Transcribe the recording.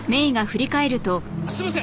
すいません！